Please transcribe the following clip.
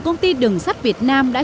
cầu cầm lý